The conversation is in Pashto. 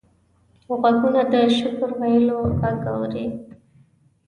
غوږونه د شکر ویلو غږ اوري